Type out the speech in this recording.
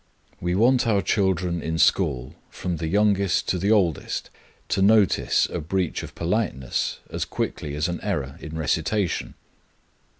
We want our children in school, from the youngest to the oldest, to notice a breach of politeness as quickly as an error in recitation.